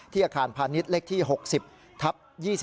อาคารพาณิชย์เลขที่๖๐ทับ๒๕